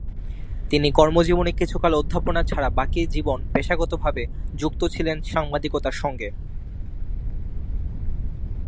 তিনি কর্মজীবনে কিছুকাল অধ্যাপনা ছাড়া বাকি জীবন পেশাগতভাবে যুক্ত ছিলেন সাংবাদিকতার সঙ্গে।